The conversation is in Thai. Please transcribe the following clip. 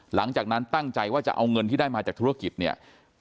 หลังจากนั้นตั้งใจว่าจะเอาเงินที่ได้มาจากธุรกิจเนี่ย